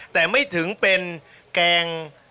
แต่ไม่ถึงเป็นแกง